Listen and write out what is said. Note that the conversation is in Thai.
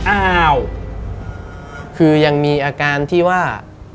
อ้าวคือยังมีอาการที่ว่า